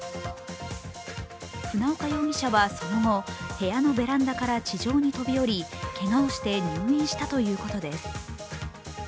船岡容疑者はその後、部屋のベランダから地上に飛び降りけがをして入院したということです。